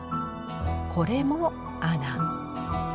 これも孔。